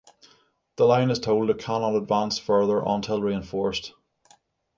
The line is told it cannot advance further until reinforced.